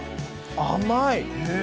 甘い。